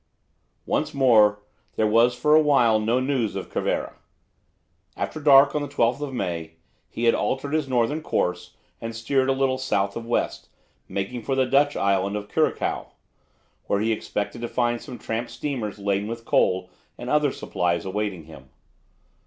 Once more there was for a while no news of Cervera. After dark on 12 May he had altered his northern course and steered a little south of west, making for the Dutch island of Curaçao, where he expected to find some tramp steamers laden with coal and other supplies awaiting him.